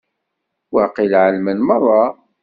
Waqil ɛelmen merra.